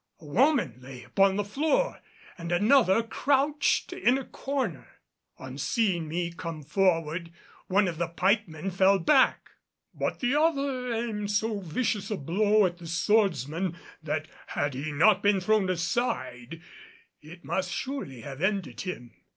A woman lay upon the floor and another crouched in the corner. On seeing me come forward one of the pikemen fell back, but the other aimed so vicious a blow at the swordsman that, had he not been thrown aside, it must surely have ended him.